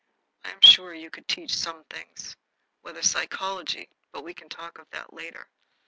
"I am sure you could teach some things. Whether psychology but we can talk of that later.